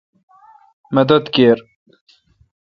مدد کیر من۔